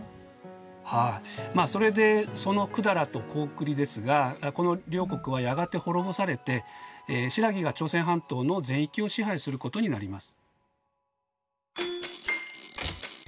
はいまあそれでその百済と高句麗ですがこの両国はやがて滅ぼされて新羅が朝鮮半島の全域を支配することになります。